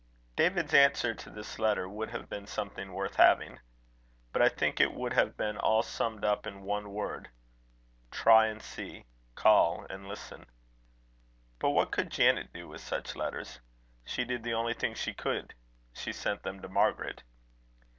David's answer to this letter, would have been something worth having. But I think it would have been all summed up in one word: Try and see: call and listen. But what could Janet do with such letters? She did the only thing she could: she sent them to Margaret.